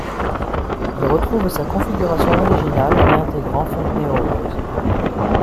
Il retrouve sa configuration originale en réintégrant Fontenay-aux-Roses.